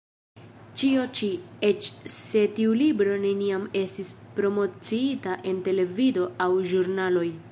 Ĉio ĉi, eĉ se tiu libro neniam estis promociita en televido aŭ ĵurnaloj.